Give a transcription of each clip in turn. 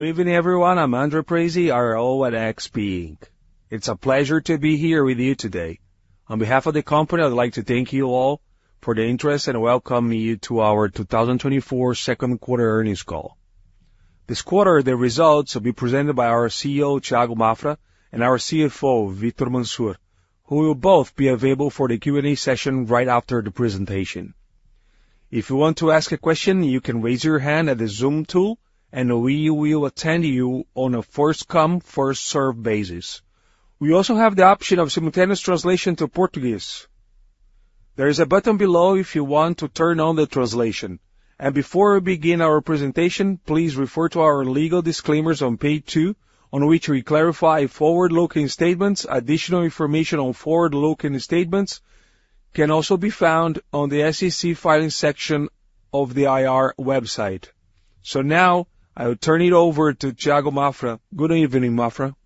Good evening, everyone. I'm André Parize, IRO at XP Inc. It's a pleasure to be here with you today. On behalf of the company, I'd like to thank you all for the interest and welcome you to our 2024 second quarter earnings call. This quarter, the results will be presented by our CEO, Thiago Maffra, and our CFO, Victor Mansur, who will both be available for the Q&A session right after the presentation. If you want to ask a question, you can raise your hand at the Zoom tool, and we will attend you on a first-come, first-served basis. We also have the option of simultaneous translation to Portuguese. There is a button below if you want to turn on the translation. Before we begin our presentation, please refer to our legal disclaimers on page 2, on which we clarify forward-looking statements. Additional information on forward-looking statements can also be found on the SEC filing section of the IR website. So now, I will turn it over to Thiago Maffra. Good evening, Maffra.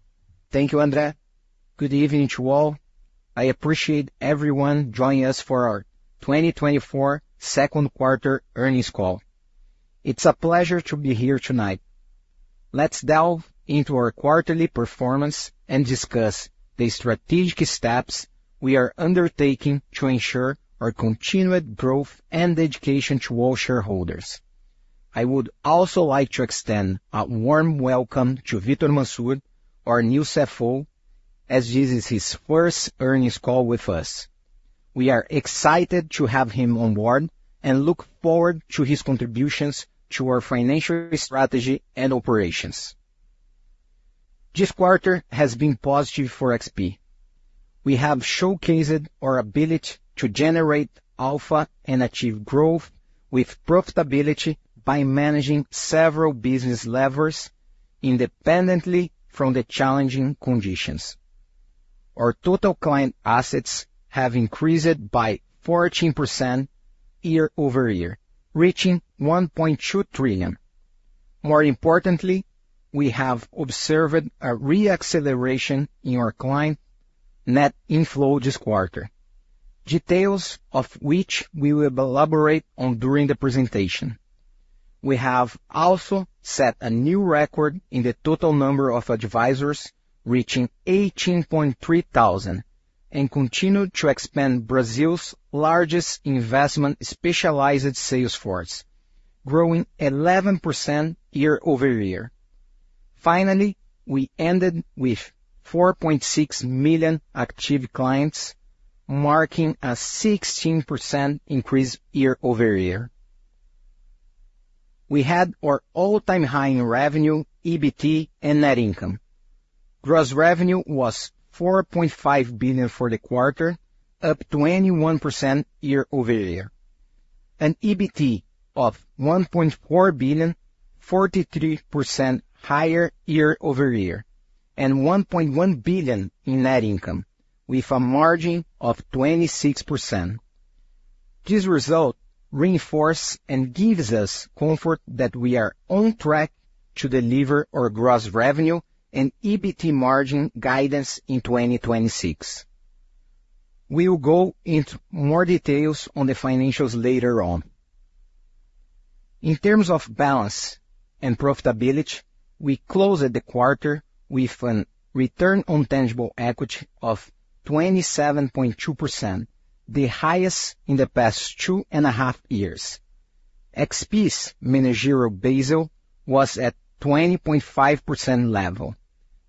Thank you, André. Good evening to all. I appreciate everyone joining us for our 2024 second quarter earnings call. It's a pleasure to be here tonight. Let's delve into our quarterly performance and discuss the strategic steps we are undertaking to ensure our continued growth and dedication to all shareholders. I would also like to extend a warm welcome to Victor Mansur, our new CFO, as this is his first earnings call with us. We are excited to have him on board and look forward to his contributions to our financial strategy and operations. This quarter has been positive for XP. We have showcased our ability to generate alpha and achieve growth with profitability by managing several business levers independently from the challenging conditions. Our total client assets have increased by 14% year-over-year, reaching 1.2 trillion. More importantly, we have observed a re-acceleration in our client net inflow this quarter, details of which we will elaborate on during the presentation. We have also set a new record in the total number of advisors, reaching 18,300, and continued to expand Brazil's largest investment specialized sales force, growing 11% year-over-year. Finally, we ended with 4.6 million active clients, marking a 16% increase year-over-year. We had our all-time high in revenue, EBT, and net income. Gross revenue was 4.5 billion for the quarter, up 21% year-over-year, an EBT of 1.4 billion, 43% higher year-over-year, and 1.1 billion in net income, with a margin of 26%. This result reinforces and gives us comfort that we are on track to deliver our gross revenue and EBT margin guidance in 2026. We will go into more details on the financials later on. In terms of balance and profitability, we closed the quarter with a return on tangible equity of 27.2%, the highest in the past 2.5 years. XP's Managerial Basel was at 20.5% level.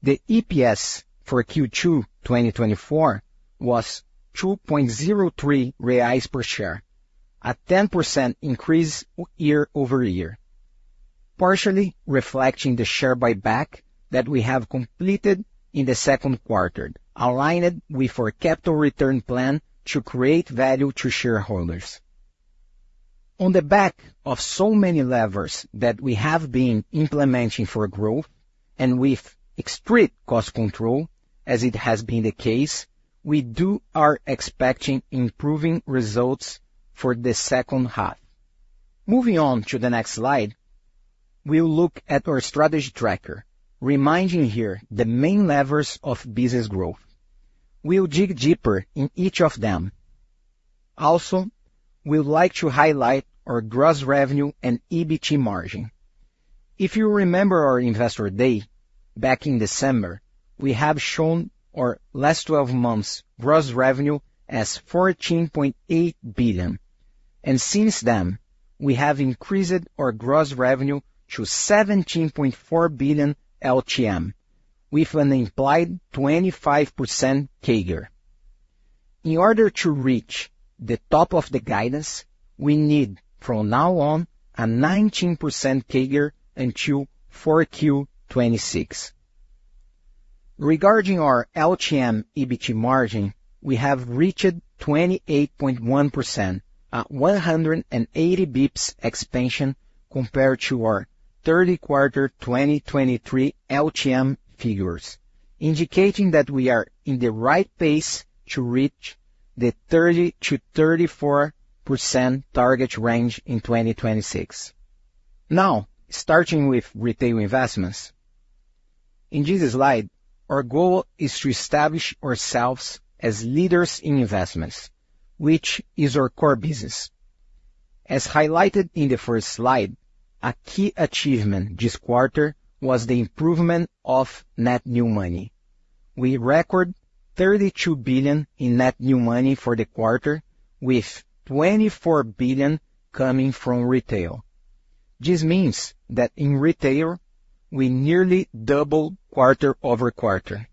The EPS for Q2 2024 was 2.03 reais per share, a 10% increase year-over-year, partially reflecting the share buyback that we have completed in the second quarter, aligned with our capital return plan to create value to shareholders. On the back of so many levers that we have been implementing for growth and with strict cost control, as it has been the case, we are expecting improving results for the second half. Moving on to the next slide, we'll look at our strategy tracker, reminding here the main levers of business growth. We'll dig deeper in each of them. Also, we'd like to highlight our gross revenue and EBT margin. If you remember our Investor Day back in December, we have shown our last twelve months gross revenue as 14.8 billion, and since then, we have increased our gross revenue to 17.4 billion LTM, with an implied 25% CAGR. In order to reach the top of the guidance, we need, from now on, a 19% CAGR until 4Q 2026. Regarding our LTM EBT margin, we have reached 28.1%, a 180 BPS expansion compared to our third quarter 2023 LTM figures, indicating that we are in the right pace to reach the 30%-34% target range in 2026. Now, starting with Retail investments. In this slide, our goal is to establish ourselves as leaders in investments, which is our core business. As highlighted in the first slide, a key achievement this quarter was the improvement of net new money. We record 32 billion in net new money for the quarter, with 24 billion coming from Retail. This means that in Retail, we nearly double quarter-over-quarter.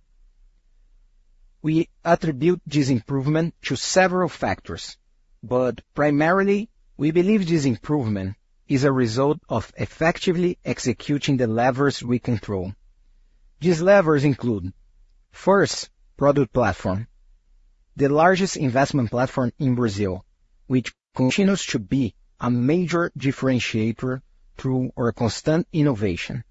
We attribute this improvement to several factors, but primarily, we believe this improvement is a result of effectively executing the levers we control. These levers include, first, product platform, the largest investment platform in Brazil, which continues to be a major differentiator through our constant innovation.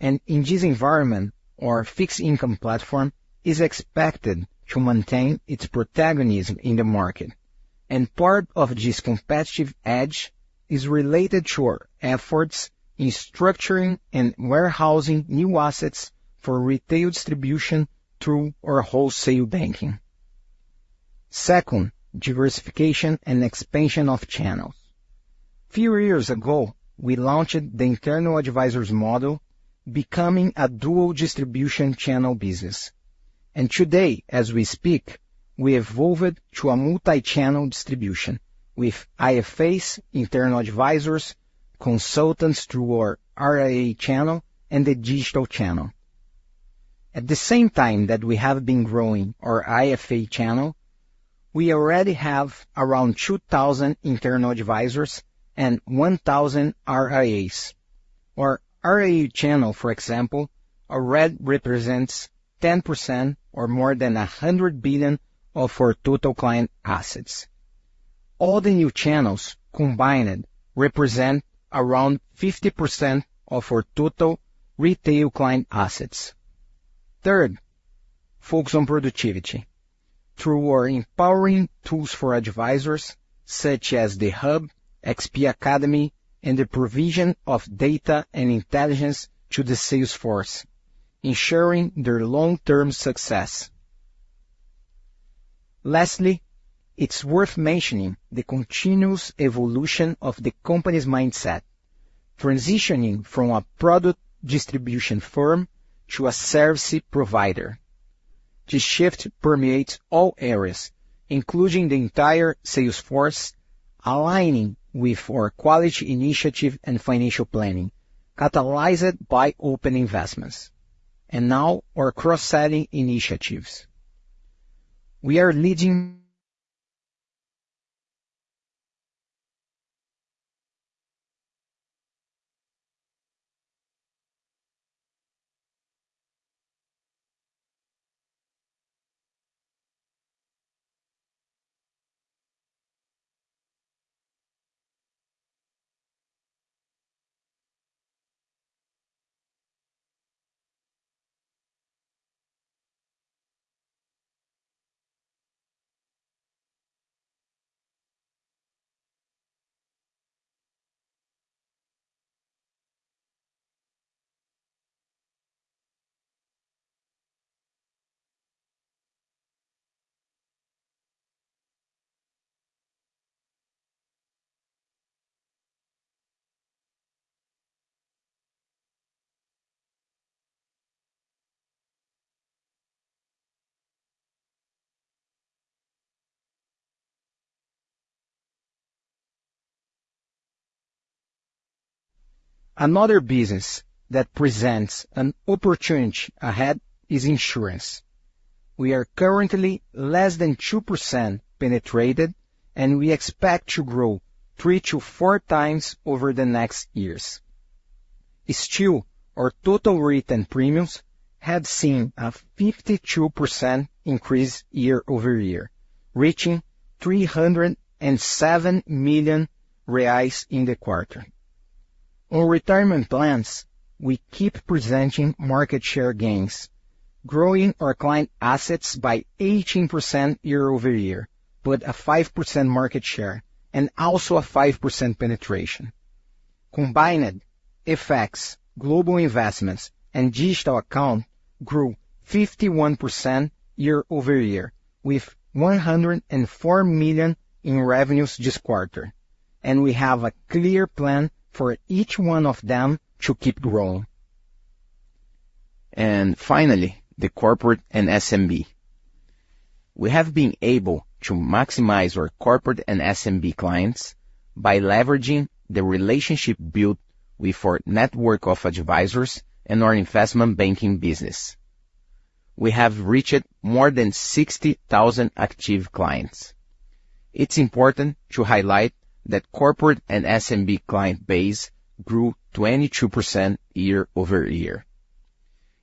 And in this environment, our fixed income platform is expected to maintain its protagonism in the market, and part of this competitive edge is related to our efforts in structuring and warehousing new assets for Retail distribution through our wholesale banking. Second, diversification and expansion of channels. Few years ago, we launched the internal advisors model, becoming a dual distribution channel business. And today, as we speak, we evolved to a multi-channel distribution with IFAs, internal advisors, consultants through our RIA channel and the digital channel. At the same time that we have been growing our IFA channel, we already have around 2,000 internal advisors and 1,000 RIAs. Our RIA channel, for example, already represents 10% or more than 100 billion of our total client assets. All the new channels combined represent around 50% of our total Retail client assets. Third, focus on productivity. Through our empowering tools for advisors, such as the Hub, XP Academy, and the provision of data and intelligence to the sales force, ensuring their long-term success. Lastly, it's worth mentioning the continuous evolution of the company's mindset, transitioning from a product distribution firm to a service provider. This shift permeates all areas, including the entire sales force, aligning with our quality initiative and financial planning, catalyzed by Open Investments, and now our cross-selling initiatives. We are leading... Another business that presents an opportunity ahead is insurance. We are currently less than 2% penetrated, and we expect to grow 3-4 times over the next years. Still, our total written premiums have seen a 52% increase year-over-year, reaching BRL 307 million in the quarter. On retirement plans, we keep presenting market share gains, growing our client assets by 18% year-over-year, but a 5% market share and also a 5% penetration. Combined FX, Global Investments and Digital Account grew 51% year-over-year, with 104 million in revenues this quarter, and we have a clear plan for each one of them to keep growing. And finally, the Corporate and SMB. We have been able to maximize our Corporate and SMB clients by leveraging the relationship built with our network of advisors and our investment banking business. We have reached more than 60,000 active clients. It's important to highlight that Corporate and SMB client base grew 22% year-over-year,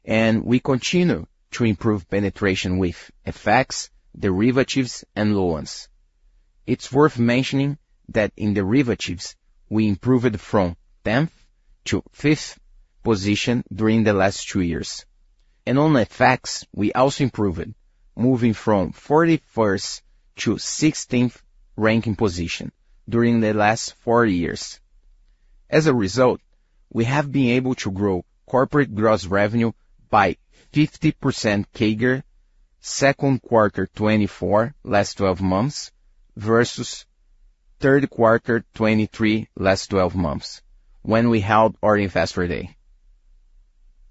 and we continue to improve penetration with FX, derivatives, and loans. It's worth mentioning that in derivatives, we improved from 10th to 5th position during the last 2 years, and on FX, we also improved, moving from 41st to 16th ranking position during the last 4 years. As a result, we have been able to grow Corporate gross revenue by 50% CAGR, second quarter 2024 last twelve months, versus third quarter 2023 last twelve months, when we held our Investor Day.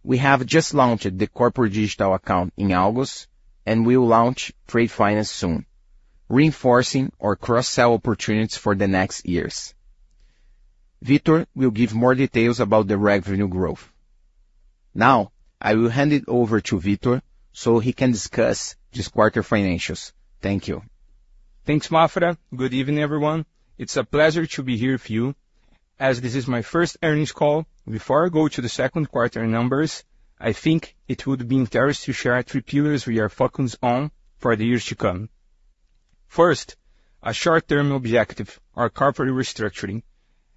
We have just launched the Corporate Digital Account in August, and we will launch Trade Finance soon, reinforcing our cross-sell opportunities for the next years. Victor will give more details about the revenue growth. Now, I will hand it over to Victor, so he can discuss this quarter financials. Thank you. Thanks, Maffra. Good evening, everyone. It's a pleasure to be here with you. As this is my first earnings call, before I go to the second quarter numbers, I think it would be interesting to share three pillars we are focusing on for the years to come. First, a short-term objective, our Corporate restructuring.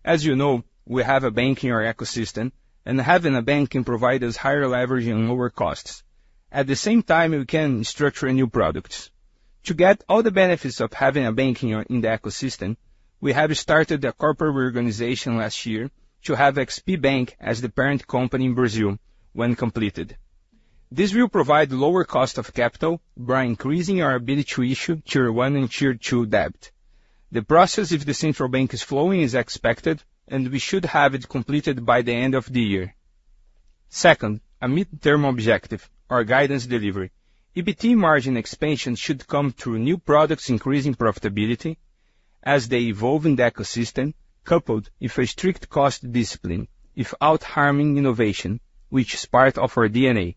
As you know, we have a bank in our ecosystem, and having a bank can provide us higher leverage and lower costs. At the same time, we can structure new products. To get all the benefits of having a bank in our ecosystem, we have started a Corporate reorganization last year to have XP Bank as the parent company in Brazil when completed. This will provide lower cost of capital by increasing our ability to issue Tier 1 and Tier 2 debt. The process of the Central Bank is flowing as expected, and we should have it completed by the end of the year. Second, a midterm objective, our guidance delivery. EBT margin expansion should come through new products increasing profitability as they evolve in the ecosystem, coupled with a strict cost discipline, without harming innovation, which is part of our DNA.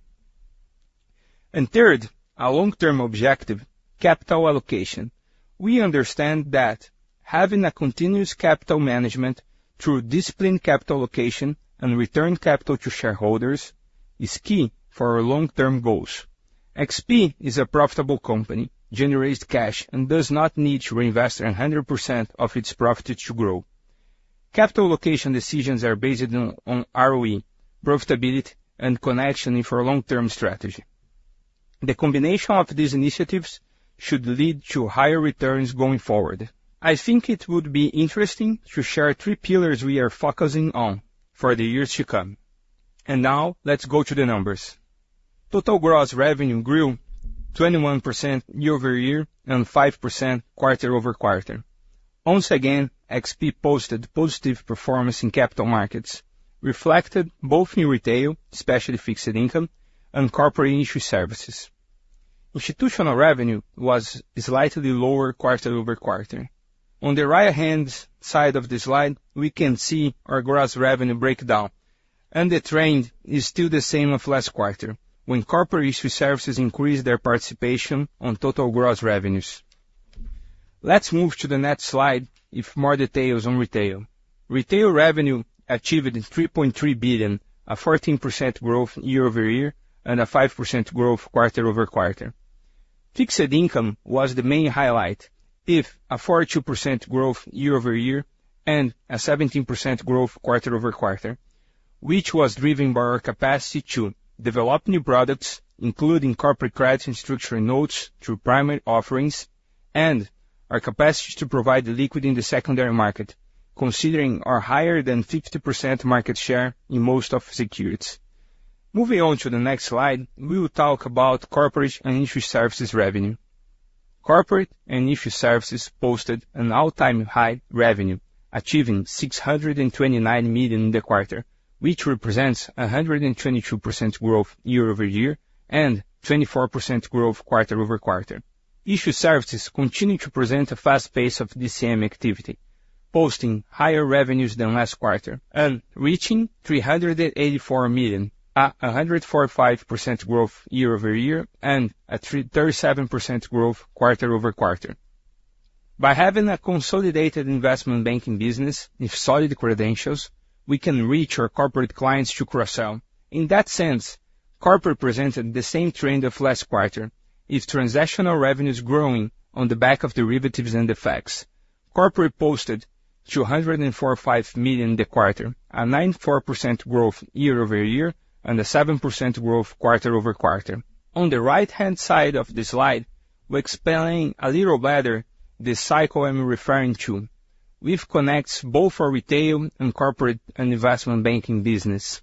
And third, our long-term objective, capital allocation. We understand that having a continuous capital management through disciplined capital allocation and return capital to shareholders is key for our long-term goals. XP is a profitable company, generates cash, and does not need to reinvest 100% of its profits to grow. Capital allocation decisions are based on, on ROE, profitability, and connection for long-term strategy. The combination of these initiatives should lead to higher returns going forward. I think it would be interesting to share three pillars we are focusing on for the years to come. Now, let's go to the numbers. Total gross revenue grew 21% year-over-year, and 5% quarter-over-quarter. Once again, XP posted positive performance in capital markets, reflected both in Retail, especially fixed income and Corporate Issuer Services. Institutional revenue was slightly lower quarter-over-quarter. On the right-hand side of the slide, we can see our gross revenue breakdown, and the trend is still the same of last quarter, when Corporate Issuer Services increased their participation on total gross revenues. Let's move to the next slide with more details on Retail. Retail revenue achieved is 3.3 billion, a 14% growth year-over-year, and a 5% growth quarter-over-quarter. Fixed income was the main highlight, with a 42% growth year-over-year, and a 17% growth quarter-over-quarter, which was driven by our capacity to develop new products, including Corporate credit and structuring notes through primary offerings, and our capacity to provide liquidity in the secondary market, considering our higher than 50% market share in most of securities. Moving on to the next slide, we will talk about Corporate and Issuer Services revenue. Corporate and Issuer Services posted an all-time high revenue, achieving 629 million in the quarter, which represents a 122% growth year-over-year, and 24% growth quarter-over-quarter. Issuer services continue to present a fast pace of DCM activity, posting higher revenues than last quarter and reaching 384 million, a 145% growth year-over-year, and a 37% growth quarter-over-quarter. By having a consolidated investment banking business with solid credentials, we can reach our Corporate clients to cross-sell. In that sense, Corporate presented the same trend of last quarter, with transactional revenues growing on the back of derivatives and FX. Corporate posted 245 million in the quarter, a 94% growth year-over-year, and a 7% growth quarter-over-quarter. On the right-hand side of the slide, we explain a little better the cycle I'm referring to, which connects both our Retail and Corporate and Investment Banking business.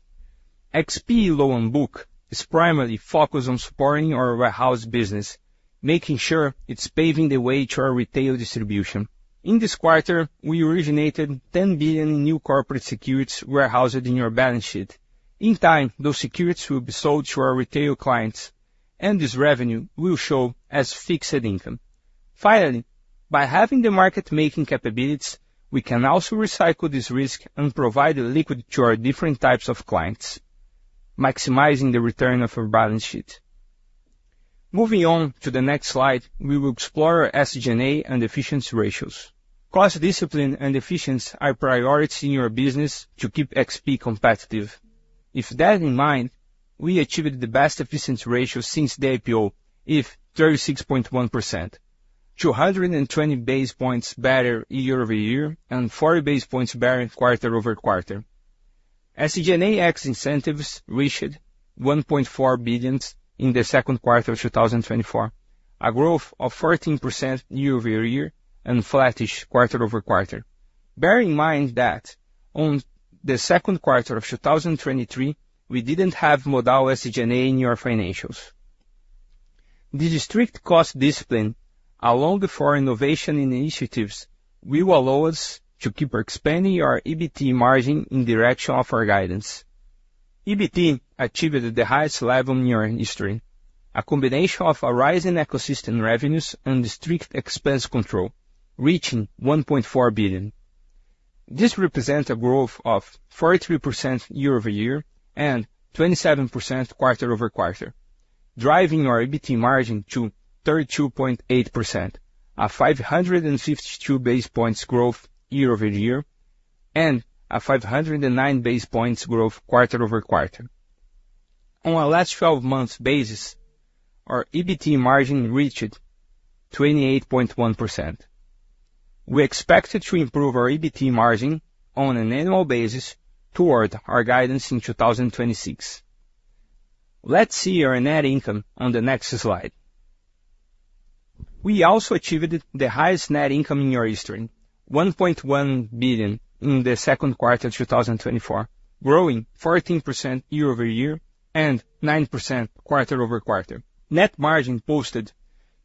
XP loan book is primarily focused on supporting our warehouse business, making sure it's paving the way to our Retail distribution. In this quarter, we originated 10 billion in new Corporate securities warehoused in our balance sheet. In time, those securities will be sold to our Retail clients, and this revenue will show as fixed income. Finally, by having the market making capabilities, we can also recycle this risk and provide liquidity to our different types of clients, maximizing the return of our balance sheet. Moving on to the next slide, we will explore SG&A and efficiency ratios. Cost discipline and efficiency are priority in our business to keep XP competitive. With that in mind, we achieved the best efficiency ratio since the IPO, with 36.1%, 220 basis points better year-over-year, and 40 basis points better quarter-over-quarter. SG&A incentives reached 1.4 billion in the second quarter of 2024, a growth of 14% year-over-year and flattish quarter-over-quarter. Bear in mind that on the second quarter of 2023, we didn't have Modal SG&A in your financials. The strict cost discipline, along with our innovation initiatives, will allow us to keep expanding our EBT margin in direction of our guidance. EBT achieved the highest level in your history, a combination of a rise in ecosystem revenues and strict expense control, reaching 1.4 billion. This represents a growth of 43% year-over-year and 27% quarter-over-quarter, driving our EBT margin to 32.8%, a 552 basis points growth year-over-year, and a 509 basis points growth quarter-over-quarter. On a last twelve months basis, our EBT margin reached 28.1%. We expected to improve our EBT margin on an annual basis toward our guidance in 2026. Let's see our net income on the next slide. We also achieved the highest net income in our history, $1.1 billion in the second quarter of 2024, growing 14% year-over-year and 9% quarter-over-quarter. Net margin posted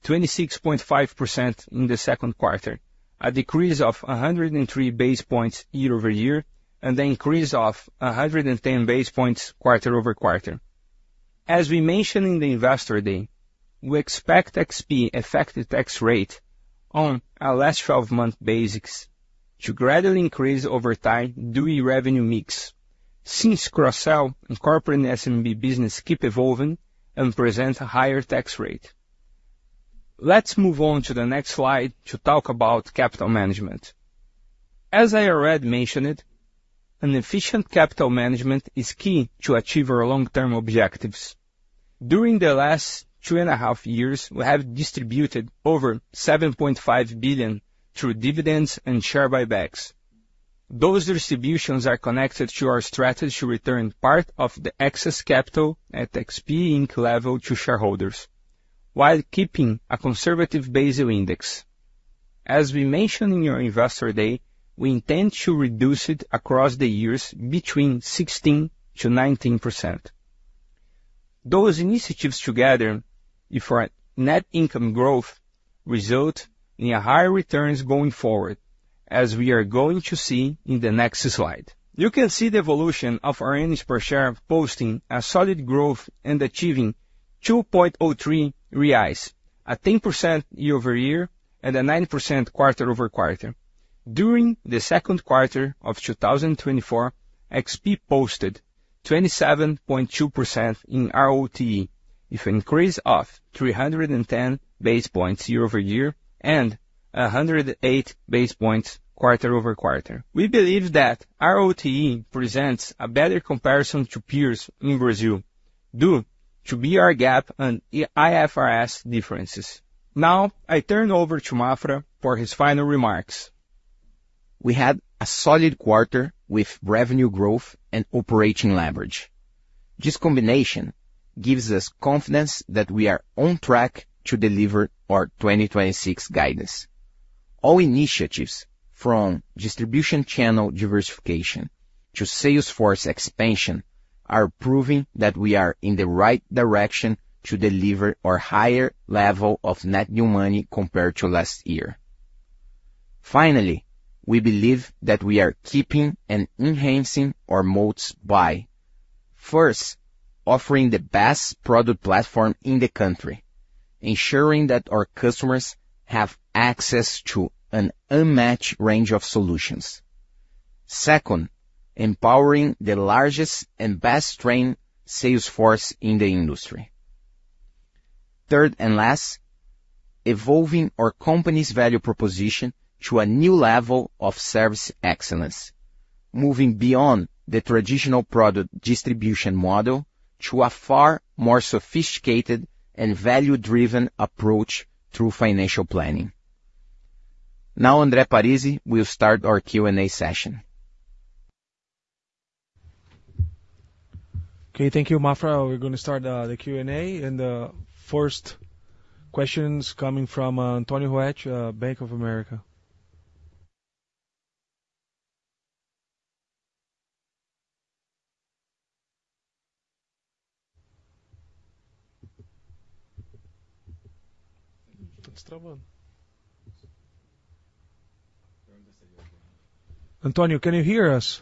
26.5% in the second quarter, a decrease of 103 basis points year-over-year, and an increase of 110 basis points quarter-over-quarter. As we mentioned in the Investor Day, we expect XP effective tax rate on a last twelve months basis to gradually increase over time due to revenue mix. Since cross-sell and Corporate SMB business keep evolving and present a higher tax rate. Let's move on to the next slide to talk about capital management. As I already mentioned, an efficient capital management is key to achieve our long-term objectives. During the last 2.5 years, we have distributed over 7.5 billion through dividends and share buybacks. Those distributions are connected to our strategy to return part of the excess capital at XP Inc. level to shareholders, while keeping a conservative Basel index. As we mentioned in our Investor Day, we intend to reduce it across the years between 16%-19%. Those initiatives together, different net income growth, result in a higher returns going forward, as we are going to see in the next slide. You can see the evolution of our earnings per share, posting a solid growth and achieving 2.03, a 10% year-over-year and a 9% quarter-over-quarter. During the second quarter of 2024, XP posted 27.2% in ROTE, with an increase of 310 basis points year-over-year and 108 basis points quarter-over-quarter. We believe that ROTE presents a better comparison to peers in Brazil, due to BR GAAP and IFRS differences. Now, I turn over to Maffra for his final remarks. We had a solid quarter with revenue growth and operating leverage. This combination gives us confidence that we are on track to deliver our 2026 guidance. All initiatives, from distribution channel diversification to sales force expansion, are proving that we are in the right direction to deliver our higher level of net new money compared to last year. Finally, we believe that we are keeping and enhancing our moats by, first, offering the best product platform in the country, ensuring that our customers have access to an unmatched range of solutions. Second, empowering the largest and best-trained sales force in the industry. Third and last, evolving our company's value proposition to a new level of service excellence, moving beyond the traditional product distribution model to a far more sophisticated and value-driven approach through financial planning. Now, André Parize will start our Q&A session. Okay, thank you, Maffra. We're gonna start the Q&A, and the first question is coming from Antonio Ruette, Bank of America. Antonio, can you hear us?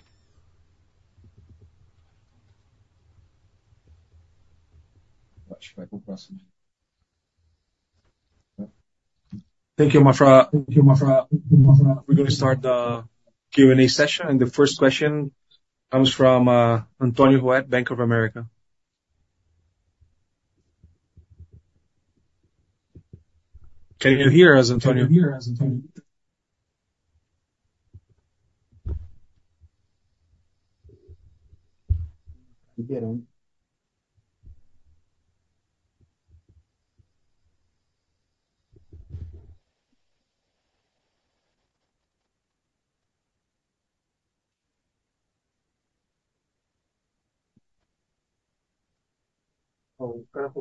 What's my question. Thank you, Maffra. Thank you, Maffra. We're gonna start the Q&A session, and the first question comes from Antonio Ruette, Bank of America. Can you hear us, Antonio?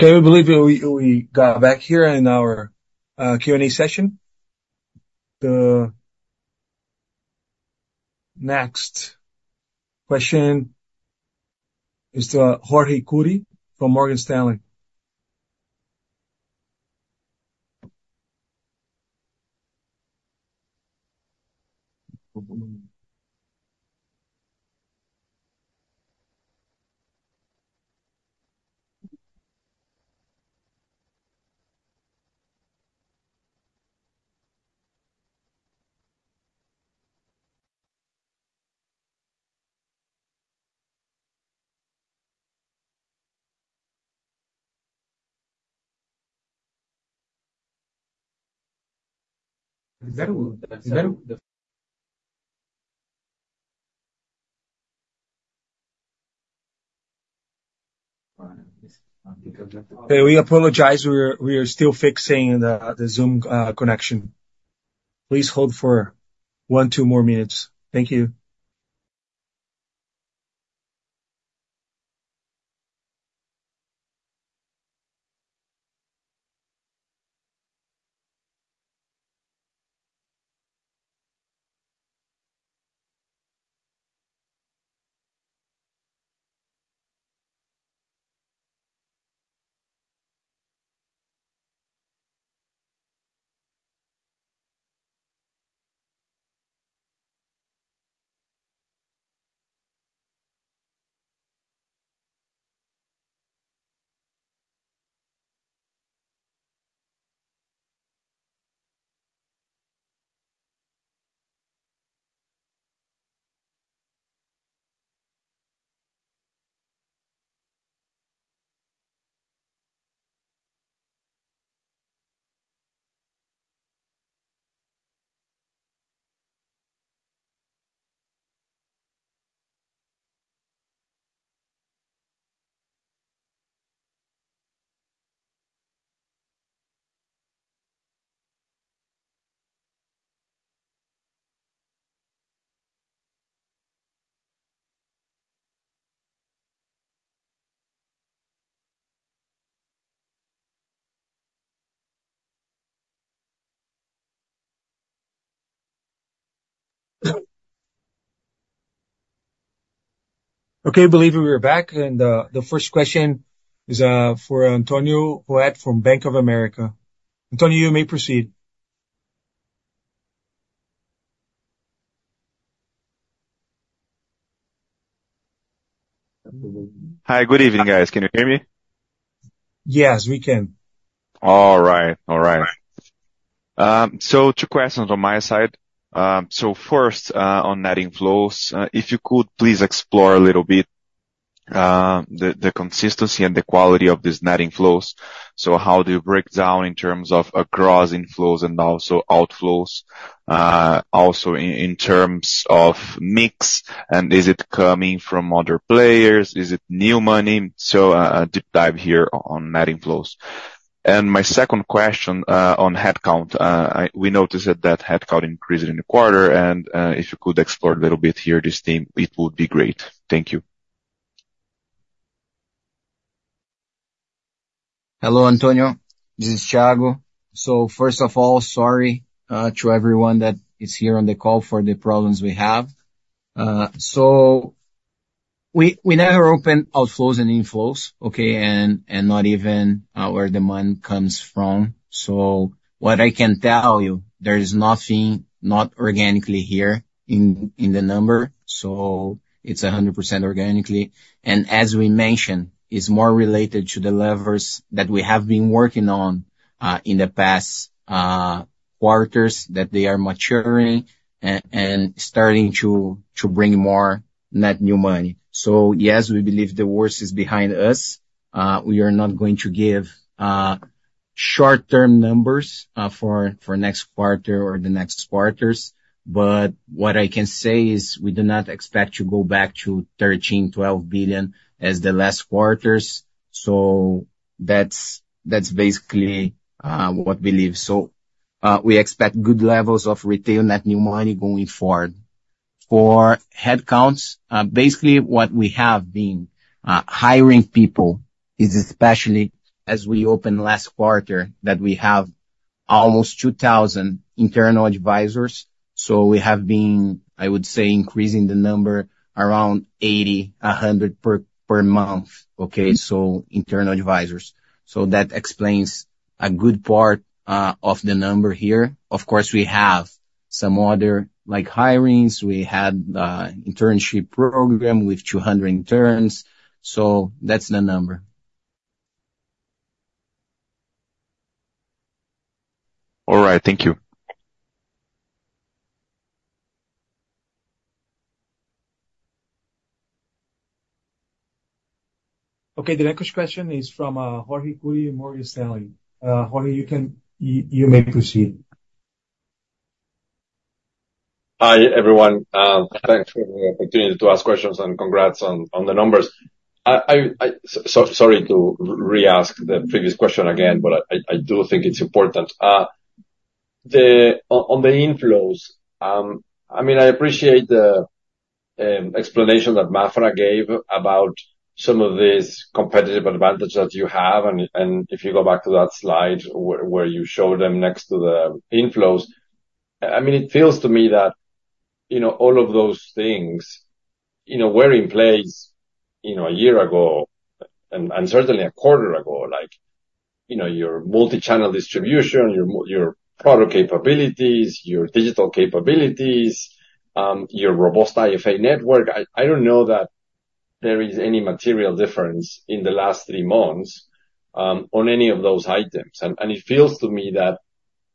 Okay, we believe we got back here in our Q&A session. The next question is to Jorge Kuri from Morgan Stanley. Hey, we apologize, we are still fixing the Zoom connection. Please hold for one, two more minutes. Thank you. Okay, believe we are back, and the first question is for Antonio Ruette from Bank of America. Antonio, you may proceed. Hi, good evening, guys. Can you hear me?... Yes, we can. All right. All right. So two questions on my side. So first, on net inflows, if you could please explore a little bit, the consistency and the quality of these net inflows. So how do you break down in terms of across inflows and also outflows? Also in terms of mix, and is it coming from other players? Is it new money? So, a deep dive here on net inflows. And my second question, on headcount. We noticed that headcount increased in the quarter, and, if you could explore a little bit here, this team, it would be great. Thank you. Hello, Antonio, this is Thiago Maffra. So first of all, sorry to everyone that is here on the call for the problems we have. So we never open outflows and inflows, okay? And not even where the money comes from. So what I can tell you, there is nothing not organically here in the number, so it's 100% organically. And as we mentioned, it's more related to the levers that we have been working on in the past quarters, that they are maturing and starting to bring more net new money. So yes, we believe the worst is behind us. We are not going to give short-term numbers for next quarter or the next quarters, but what I can say is we do not expect to go back to 13 billion, 12 billion as the last quarters. So that's, that's basically what we believe. So, we expect good levels of Retail net new money going forward. For headcounts, basically what we have been hiring people is especially as we open last quarter, that we have almost 2,000 internal advisors. So we have been, I would say, increasing the number around 80, 100 per month, okay? So internal advisors. So that explains a good part of the number here. Of course, we have some other like hirings. We had internship program with 200 interns, so that's the number. All right. Thank you. Okay, the next question is from Jorge Kuri, Morgan Stanley. Jorge, you may proceed. Hi, everyone. Thanks for the opportunity to ask questions, and congrats on the numbers. Sorry to re-ask the previous question again, but I do think it's important. The... On the inflows, I mean, I appreciate the explanation that Maffra gave about some of these competitive advantages that you have, and if you go back to that slide where you show them next to the inflows, I mean, it feels to me that, you know, all of those things, you know, were in place, you know, a year ago and certainly a quarter ago. Like, you know, your multi-channel distribution, your product capabilities, your digital capabilities, your robust IFA network. I don't know that there is any material difference in the last three months on any of those items. It feels to me that,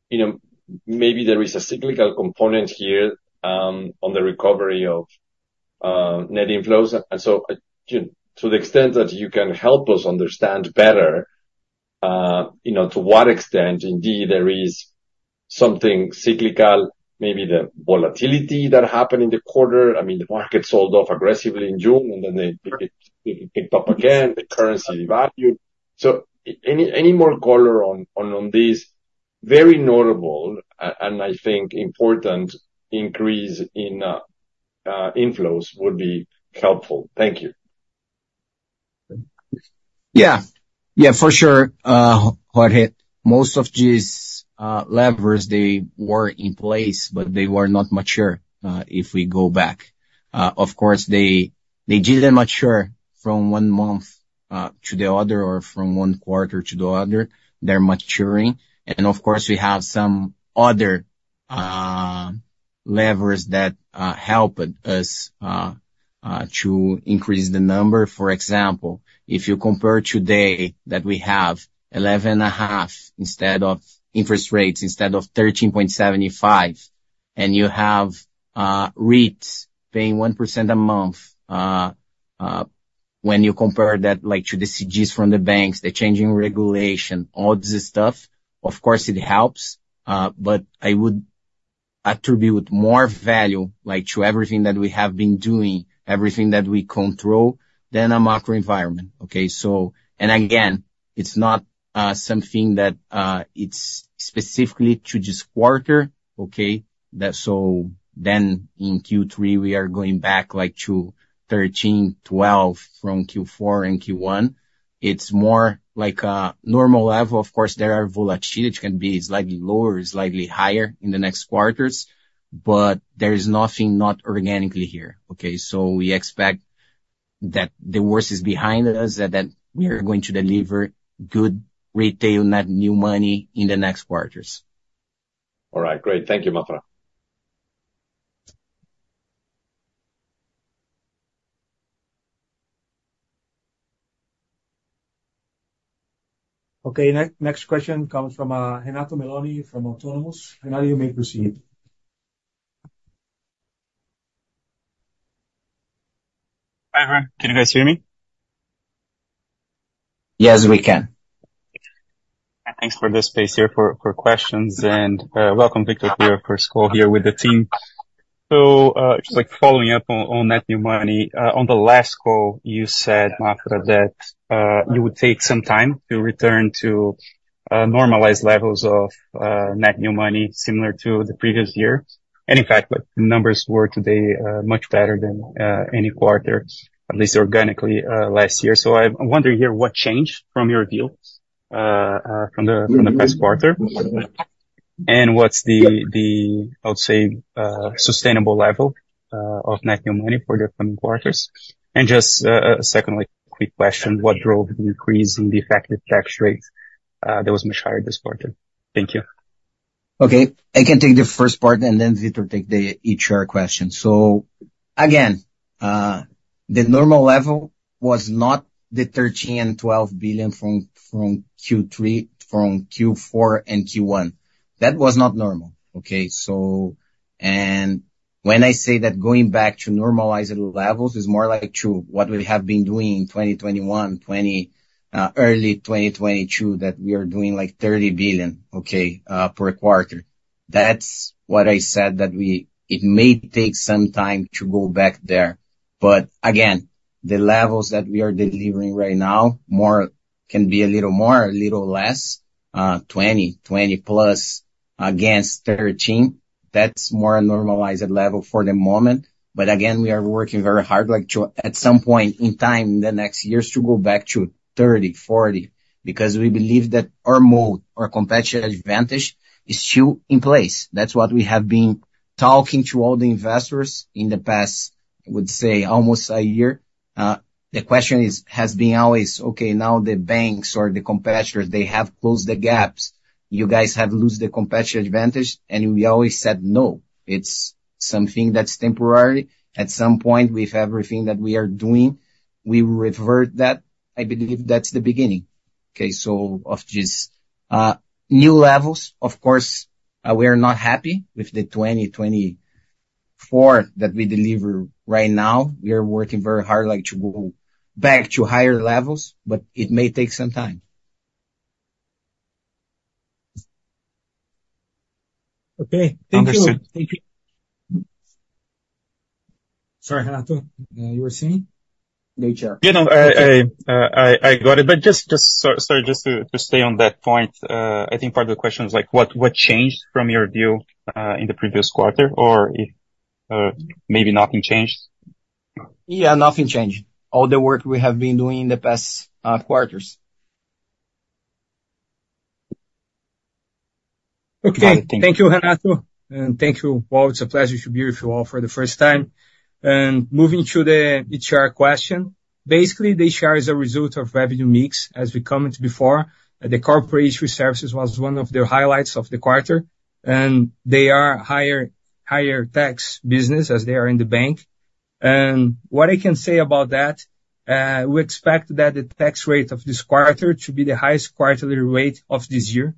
you know, maybe there is a cyclical component here on the recovery of net inflows. So, to the extent that you can help us understand better, you know, to what extent, indeed, there is something cyclical, maybe the volatility that happened in the quarter. I mean, the market sold off aggressively in June, and then it picked up again, the currency devalued. So any more color on this very notable, and I think important increase in inflows would be helpful. Thank you. Yeah. Yeah, for sure, Jorge. Most of these levers, they were in place, but they were not mature, if we go back. Of course, they didn't mature from one month to the other or from one quarter to the other. They're maturing. And of course, we have some other levers that helped us to increase the number. For example, if you compare today that we have 11.5 instead of... Interest rates instead of 13.75, and you have REITs paying 1% a month, when you compare that, like, to the CDs from the banks, the changing regulation, all this stuff, of course it helps, but I would attribute more value, like, to everything that we have been doing, everything that we control, than a macro environment, okay? So... And again, it's not something that it's specifically to this quarter, okay? That, so then in Q3, we are going back, like, to 13, 12 from Q4 and Q1. It's more like a normal level. Of course, there are volatility, which can be slightly lower or slightly higher in the next quarters, but there is nothing not organically here, okay? So we expect that the worst is behind us, and that we are going to deliver good Retail, net new money in the next quarters. All right. Great. Thank you, Maffra.... Okay, next question comes from Renato Meloni from Autonomous. Renato, you may proceed. Hi, everyone. Can you guys hear me? Yes, we can. Thanks for the space here for questions, and welcome, Victor, to your first call here with the team. So, just like following up on that new money, on the last call, you said, Maffra, that you would take some time to return to normalized levels of net new money similar to the previous year. And in fact, the numbers were today much better than any quarter, at least organically, last year. So I'm wondering here, what changed from your view, from the last quarter? And what's the sustainable level of net new money for the upcoming quarters? And just, secondly, quick question: What drove the increase in the effective tax rate that was much higher this quarter? Thank you. Okay, I can take the first part, and then Victor take the ETR question. So again, the normal level was not the 13 billion and 12 billion from Q3, from Q4 and Q1. That was not normal, okay? So... And when I say that going back to normalized levels is more like to what we have been doing in 2021, early 2022, that we are doing, like, 30 billion, okay, per quarter. That's what I said, that it may take some time to go back there. But again, the levels that we are delivering right now, more, can be a little more or a little less, 20 billion, 20-plus billion against 13 billion. That's more a normalized level for the moment. But again, we are working very hard, like, to, at some point in time in the next years, to go back to 30, 40, because we believe that our model, our competitive advantage, is still in place. That's what we have been talking to all the investors in the past, I would say, almost a year. The question has been always: Okay, now the banks or the competitors, they have closed the gaps. You guys have lost the competitive advantage, and we always said, "No," it's something that's temporary. At some point, with everything that we are doing, we revert that. I believe that's the beginning. Okay, so of these new levels, of course, we are not happy with the 2024 that we deliver right now. We are working very hard, like, to go back to higher levels, but it may take some time. Okay. Thank you. Understand. Thank you. Sorry, Renato, you were saying? The HR. You know, I got it, but just, sorry, just to stay on that point, I think part of the question is, like, what changed from your view in the previous quarter, or if maybe nothing changed? Yeah, nothing changed. All the work we have been doing in the past quarters. Okay. Thank you. Thank you, Renato, and thank you. Well, it's a pleasure to be with you all for the first time. Moving to the ETR question, basically, the ETR is a result of revenue mix, as we commented before. The Corporate Issuer Services was one of the highlights of the quarter, and they are higher tax business as they are in the bank. And what I can say about that, we expect that the tax rate of this quarter to be the highest quarterly rate of this year.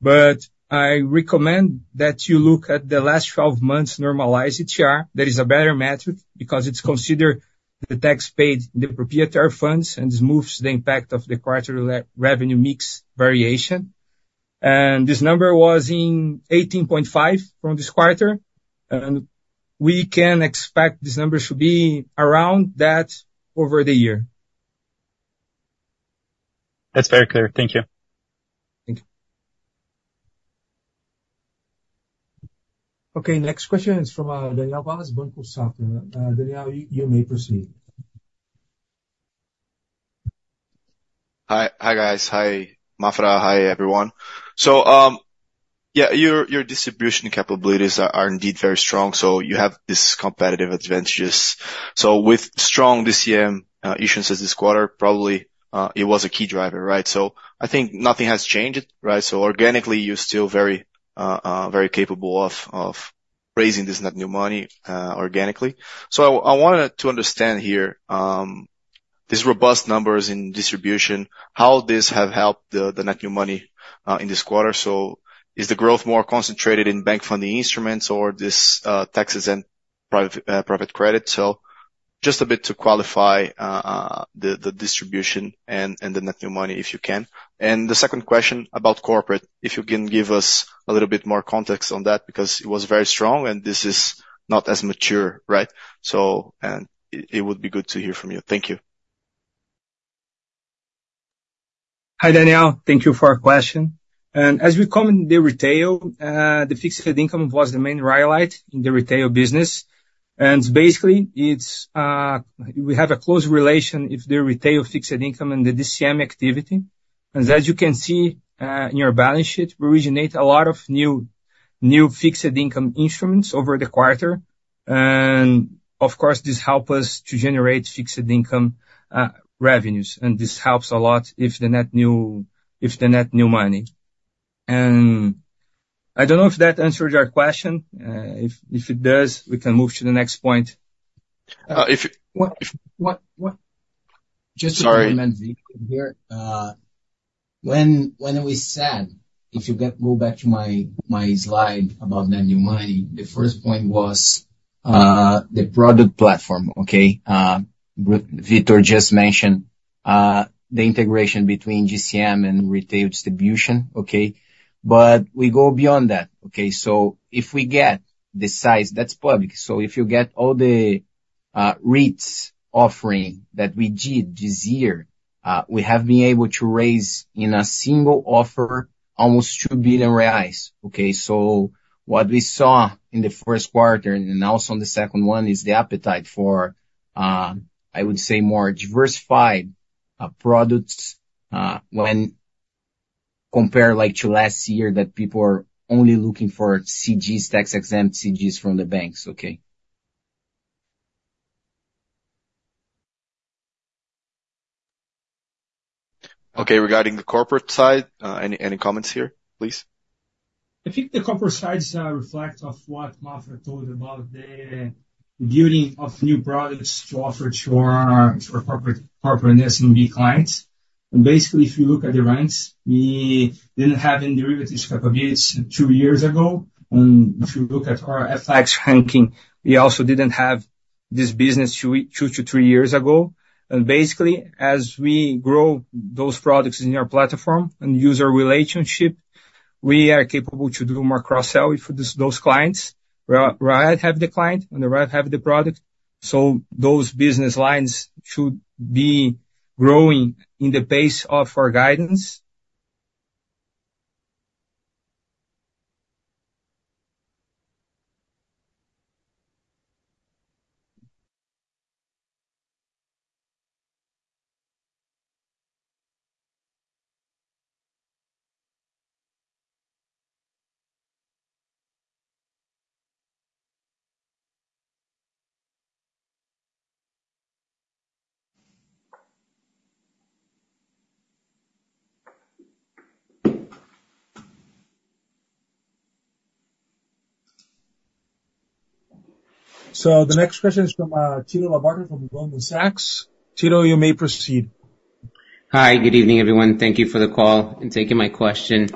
But I recommend that you look at the last twelve months normalized ETR. That is a better metric because it's considered the tax paid in the proprietary funds, and this moves the impact of the quarterly revenue mix variation. This number was 18.5 in this quarter, and we can expect this number to be around that over the year. That's very clear. Thank you. Thank you. Okay, next question is from, Daniel Vaz, Banco Santander. Daniel, you, you may proceed. Hi. Hi, guys. Hi, Maffra. Hi, everyone. So, yeah, your, your distribution capabilities are indeed very strong, so you have this competitive advantages. So with strong DCM issuance this quarter, probably, it was a key driver, right? So I think nothing has changed, right? So organically, you're still very, very capable of, of raising this net new money, organically. So I wanted to understand here, these robust numbers in distribution, how this have helped the, the net new money, in this quarter. So is the growth more concentrated in bank funding instruments or this, fixed and private, private credit? So just a bit to qualify, the, the distribution and, and the net new money, if you can. The second question about Corporate, if you can give us a little bit more context on that, because it was very strong, and this is not as mature, right? So, it would be good to hear from you. Thank you. Hi, Daniel. Thank you for our question. As we come in the Retail, the fixed income was the main highlight in the Retail business. And basically, it's we have a close relation with the Retail fixed income and the DCM activity. And as you can see, in our balance sheet, we originate a lot of new fixed income instruments over the quarter. And of course, this help us to generate fixed income revenues, and this helps a lot with the net new money. I don't know if that answered your question. If it does, we can move to the next point. Uh, if- What, what, what- Sorry. Just to comment here. When we said, if you go back to my slide about net new money, the first point was the product platform, okay? Victor just mentioned the integration between GCM and Retail distribution, okay? But we go beyond that, okay? So if we get the size, that's public. So if you get all the REITs offering that we did this year, we have been able to raise in a single offer almost 2 billion reais, okay? So what we saw in the first quarter, and also in the second one, is the appetite for, I would say, more diversified products when compared, like, to last year, that people are only looking for CDs, tax-exempt CDs from the banks, okay. Okay, regarding the Corporate side, any comments here, please? I think the Corporate sides reflect of what Maffra told about the building of new products to offer to our Corporate and SMB clients. Basically, if you look at the ranks, we didn't have any derivatives capabilities two years ago. If you look at our FX ranking, we also didn't have this business two to three years ago. Basically, as we grow those products in our platform and user relationship, we are capable to do more cross-selling for those clients. We have the client and we have the product, so those business lines should be growing in the pace of our guidance. So the next question is from Tito Labarta from Goldman Sachs. Tito, you may proceed. Hi, good evening, everyone. Thank you for the call and taking my question.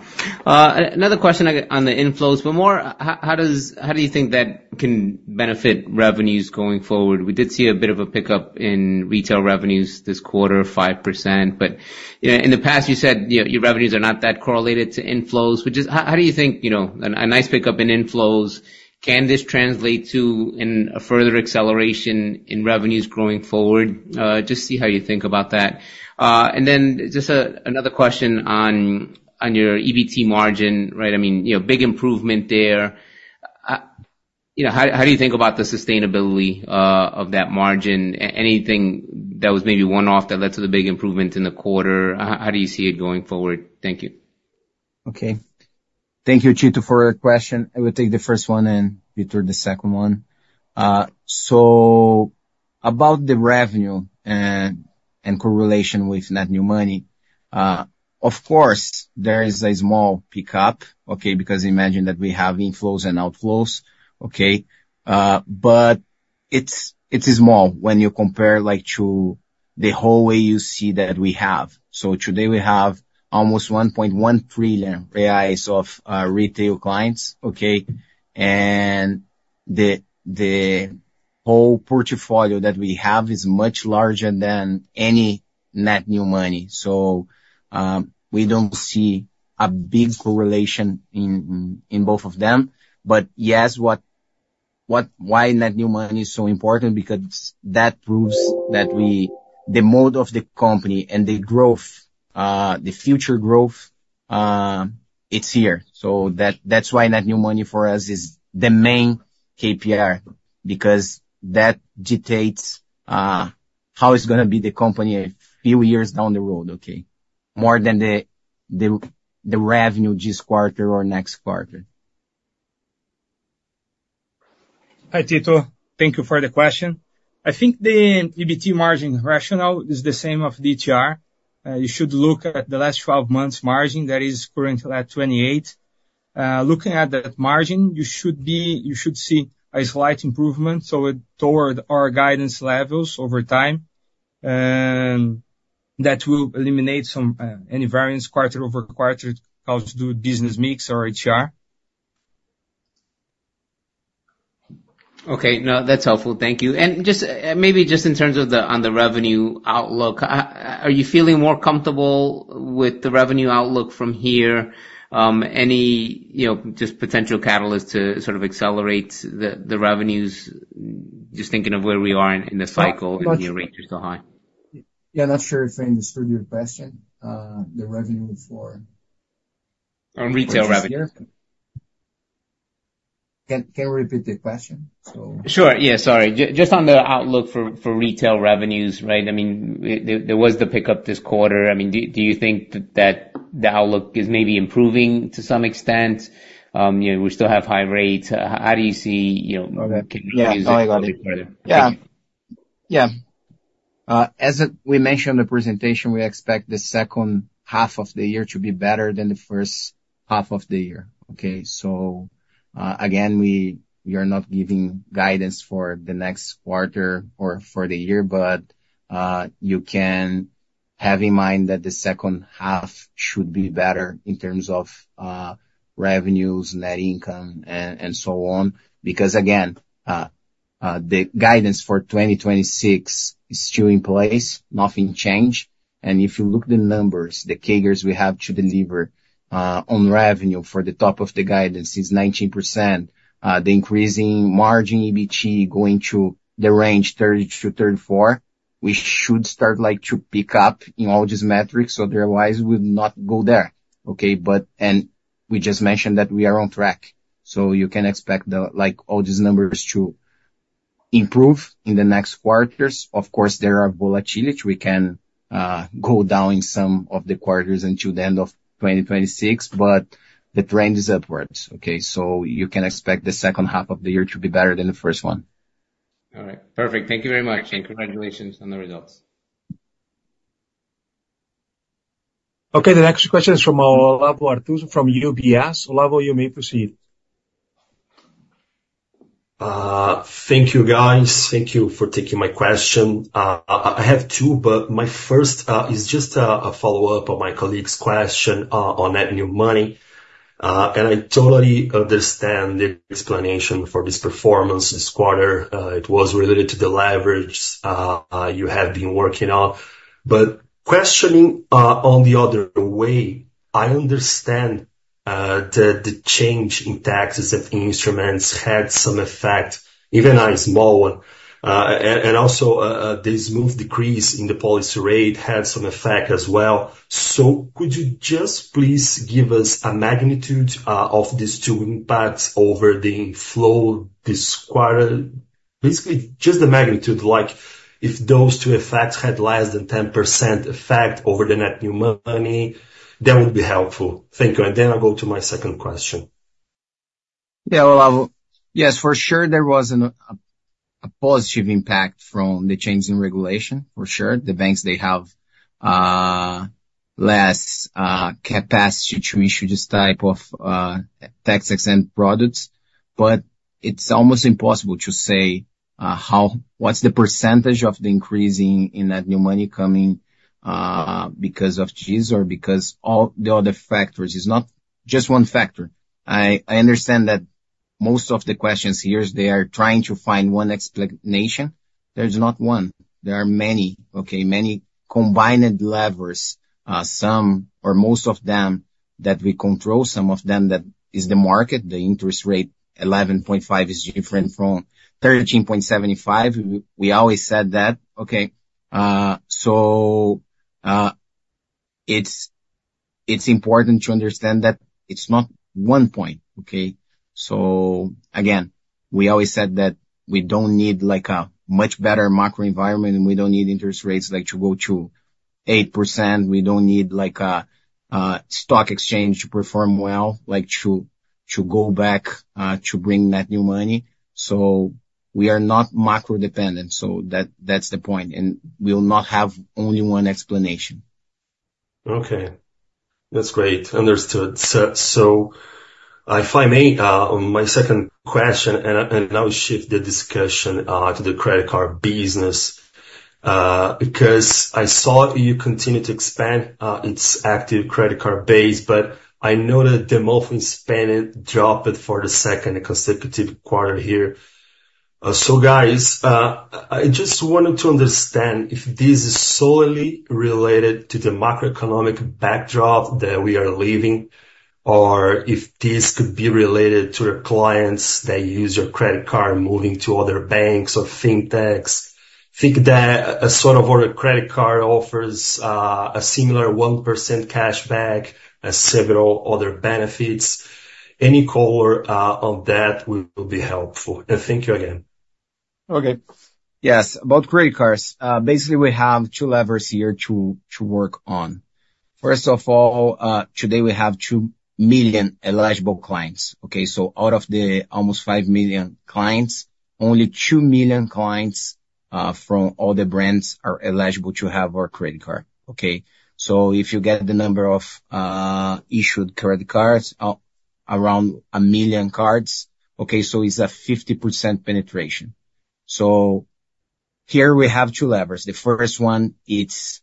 Another question on the inflows, but more, how do you think that can benefit revenues going forward? We did see a bit of a pickup in Retail revenues this quarter, 5%, but, you know, in the past, you said, you know, your revenues are not that correlated to inflows, which is... How do you think, you know, a nice pickup in inflows, can this translate to in a further acceleration in revenues growing forward? Just see how you think about that. And then just another question on your EBT margin, right? I mean, you know, big improvement there. You know, how do you think about the sustainability of that margin? Anything that was maybe one-off that led to the big improvement in the quarter? How do you see it going forward? Thank you. Okay. Thank you, Tito, for your question. I will take the first one, and Victor the second one. So about the revenue and, and correlation with net new money, of course, there is a small pickup, okay? Because imagine that we have inflows and outflows, okay? But it's, it is small when you compare, like, to the whole way you see that we have. So today we have almost 1.1 trillion reais of Retail clients, okay? And the, the whole portfolio that we have is much larger than any net new money. So we don't see a big correlation in, in both of them. But yes, what, what... Why net new money is so important? Because that proves that we, the mode of the company and the growth, the future growth, it's here. So that's why net new money for us is the main KPI, because that dictates how it's gonna be the company a few years down the road, okay? More than the revenue this quarter or next quarter. Hi, Tito. Thank you for the question. I think the EBT margin rationale is the same of ETR. You should look at the last twelve months margin, that is currently at 28%. Looking at that margin, you should see a slight improvement, so toward our guidance levels over time, and that will eliminate some, any variance quarter-over-quarter due to business mix or HR. Okay, no, that's helpful. Thank you. And just, maybe just in terms of the, on the revenue outlook, are you feeling more comfortable with the revenue outlook from here? Any, you know, just potential catalysts to sort of accelerate the, the revenues, just thinking of where we are in the cycle and your rates are so high? Yeah, not sure if I understood your question. The revenue for- On Retail revenue. Can you repeat the question? So- Sure. Yeah, sorry. Just on the outlook for Retail revenues, right? I mean, there was the pickup this quarter. I mean, do you think that the outlook is maybe improving to some extent? You know, we still have high rates. How do you see, you know. Okay. Yeah, I got it. Yeah. Yeah.... As we mentioned in the presentation, we expect the second half of the year to be better than the first half of the year, okay? So, again, we are not giving guidance for the next quarter or for the year, but you can have in mind that the second half should be better in terms of revenues, net income, and so on. Because again, the guidance for 2026 is still in place, nothing changed. And if you look at the numbers, the CAGRs we have to deliver on revenue for the top of the guidance is 19%. The increasing EBT margin going to the range 30%-34%, we should start like to pick up in all these metrics, otherwise, we would not go there. Okay, but and we just mentioned that we are on track, so you can expect the, like, all these numbers to improve in the next quarters. Of course, there are volatility. We can go down in some of the quarters until the end of 2026, but the trend is upwards, okay? So you can expect the second half of the year to be better than the first one. All right. Perfect. Thank you very much, and congratulations on the results. Okay, the next question is from Olavo Arthuzo, from UBS. Olavo, you may proceed. Thank you, guys. Thank you for taking my question. I have two, but my first is just a follow-up on my colleague's question on net new money. And I totally understand the explanation for this performance this quarter. It was related to the leverage you have been working on. But questioning on the other way, I understand the change in taxes and instruments had some effect, even a small one. And also, the smooth decrease in the policy rate had some effect as well. So could you just please give us a magnitude of these two impacts over the flow this quarter? Basically, just the magnitude, like if those two effects had less than 10% effect over the net new money, that would be helpful. Thank you. Then I'll go to my second question. Yeah, Olavo. Yes, for sure, there was a positive impact from the change in regulation, for sure. The banks, they have less capacity to issue this type of tax-exempt products, but it's almost impossible to say how—what's the percentage of the increase in that new money coming because of fees or because all the other factors. It's not just one factor. I understand that most of the questions here, they are trying to find one explanation. There's not one. There are many, okay? Many combined levers, some or most of them that we control, some of them that is the market, the interest rate, 11.5% is different from 13.75%. We always said that, okay? So, it's important to understand that it's not one point, okay? So again, we always said that we don't need like a much better macro environment, and we don't need interest rates like to go to 8%. We don't need like a stock exchange to perform well, like to go back to bring net new money. So we are not macro dependent. So that, that's the point, and we will not have only one explanation. Okay. That's great. Understood. So, if I may, my second question, and I will shift the discussion to the credit card business, because I saw you continue to expand its active credit card base, but I know that the monthly spending dropped for the second consecutive quarter here. So guys, I just wanted to understand if this is solely related to the macroeconomic backdrop that we are leaving, or if this could be related to your clients that use your credit card moving to other banks or fintechs, think that a sort of our credit card offers a similar 1% cashback and several other benefits. Any color on that will be helpful. And thank you again. Okay. Yes, about credit cards. Basically, we have two levers here to work on. First of all, today we have 2 million eligible clients, okay? So out of the almost 5 million clients, only 2 million clients from all the brands are eligible to have our credit card, okay? So if you get the number of issued credit cards around 1 million cards, okay, so it's a 50% penetration. So here we have two levers. The first one, it's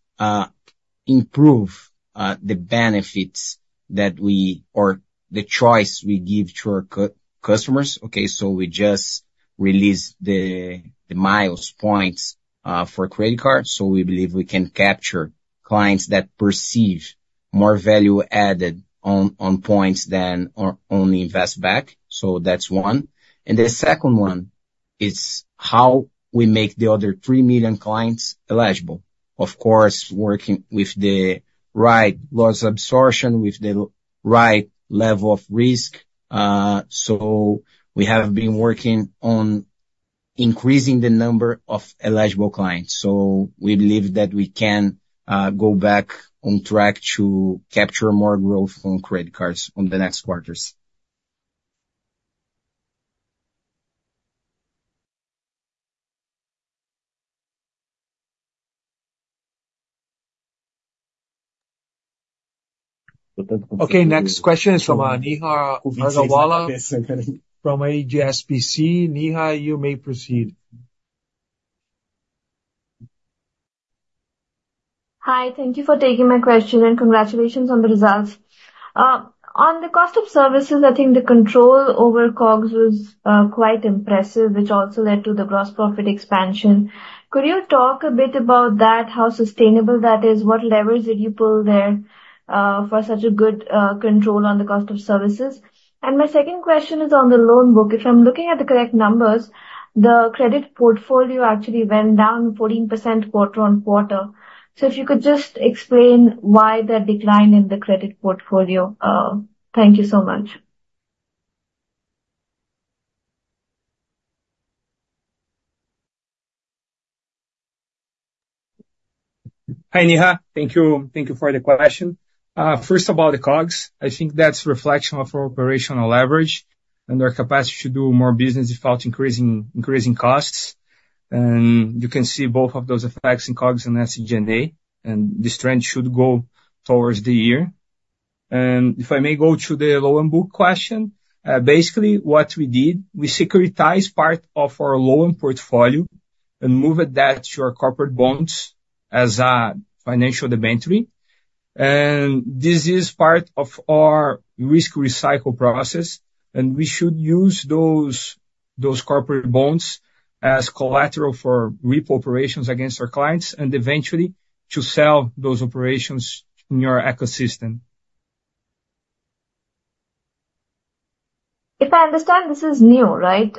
improve the benefits that we... or the choice we give to our customers, okay? So we just release the miles points for credit card. So we believe we can capture clients that perceive more value added on points than or only Investback. So that's one. And the second one is how we make the other 3 million clients eligible. Of course, working with the right loss absorption, with the right level of risk. So we have been working on increasing the number of eligible clients. So we believe that we can go back on track to capture more growth on credit cards on the next quarters. Okay, next question is from, Neha Agarwala, from HSBC. Neha, you may proceed. Hi, thank you for taking my question, and congratulations on the results. On the cost of services, I think the control over COGS was quite impressive, which also led to the gross profit expansion. Could you talk a bit about that, how sustainable that is? What levers did you pull there for such a good control on the cost of services? And my second question is on the loan book. If I'm looking at the correct numbers, the credit portfolio actually went down 14% quarter-on-quarter. So if you could just explain why the decline in the credit portfolio? Thank you so much. Hi, Neha. Thank you, thank you for the question. First of all, the COGS. I think that's a reflection of our operational leverage and our capacity to do more business without increasing, increasing costs. And you can see both of those effects in COGS and SG&A, and this trend should go towards the year. And if I may go to the loan book question, basically what we did, we securitized part of our loan portfolio and moved that to our Corporate bonds as a financial debenture. And this is part of our risk recycle process, and we should use those, those Corporate bonds as collateral for repo operations against our clients, and eventually to sell those operations in our ecosystem. If I understand, this is new, right?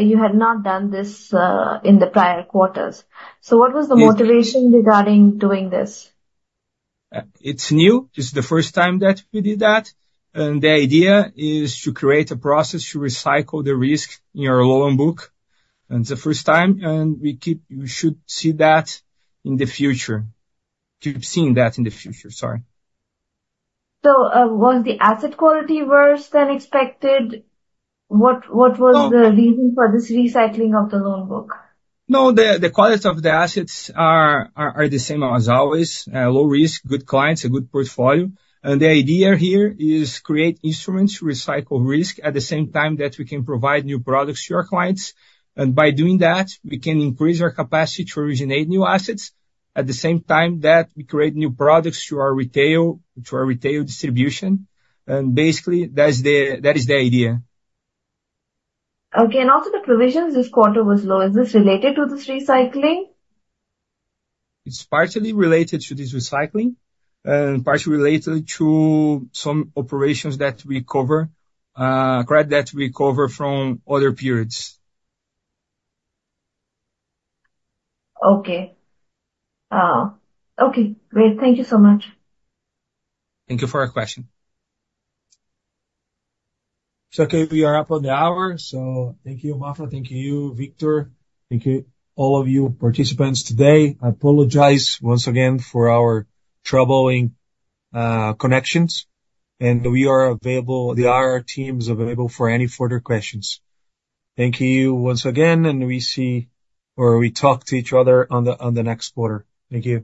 You had not done this in the prior quarters. Yes. So what was the motivation regarding doing this? It's new. This is the first time that we did that, and the idea is to create a process to recycle the risk in our loan book. It's the first time, and we keep, we should see that in the future. To seeing that in the future, sorry. So, was the asset quality worse than expected? What was the reason for this recycling of the loan book? No, the quality of the assets are the same as always, low risk, good clients, a good portfolio. And the idea here is create instruments, recycle risk, at the same time that we can provide new products to our clients. And by doing that, we can increase our capacity to originate new assets. At the same time, that we create new products to our Retail, to our Retail distribution, and basically, that's the... That is the idea. Okay, and also the provisions this quarter was low. Is this related to this recycling? It's partially related to this recycling, and partially related to some operations that we cover, credit that we cover from other periods. Okay. Okay, great. Thank you so much. Thank you for your question. So, okay, we are up on the hour, so thank you, Maffra. Thank you, Mansur. Thank you all of you participants today. I apologize once again for our troubling connections, and we are available, the IR team is available for any further questions. Thank you once again, and we see, or we talk to each other on the, on the next quarter. Thank you.